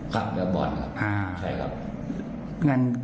ครับตัดบอลครับใช่ครับ